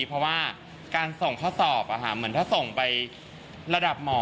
เพราะว่าการส่งข้อสอบเหมือนถ้าส่งไประดับหมอ